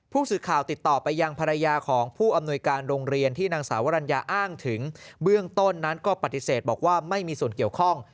ผู้สื่อข่าวติดต่อไปยังภรรยาของผู้อำนวยการโรงเรียนที่นางสาวรัญญาอ้างถึงเบื้องต้นนั้นก็ปฏิเสธบอกว่าไม่มีส่วนเกี่ยวข้อง